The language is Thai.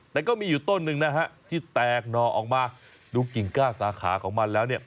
แต่ก็มีอยู่ต้นนึงที่แตกนอออกมาดูกิ้งก้าสาขาของมันแล้ว